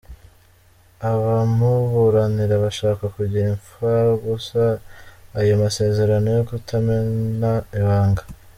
Abamuburanira bashaka kugira impfagusa ayo masezerano yo kutamena ibanga.